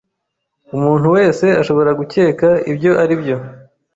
Umuntu wese ashobora gukeka ibyo aribyo?